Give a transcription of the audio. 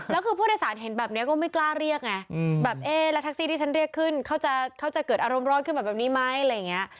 แล้วคือผู้โดยสารเห็นแบบนี้ก็ไม่กล้าเรียกไงแบบเอ๊ะแล้วแท็กซี่ที่ฉันเรียกขึ้นเขาจะเกิดอารมณ์ร้อนขึ้นแบบนี้ไหมอะไรอย่างนี้